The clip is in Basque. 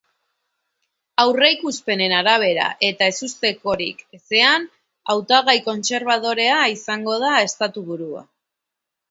Aurreikuspenen arabera eta, ezustekorik ezean, hautagai kontserbadorea izango da estatuburua.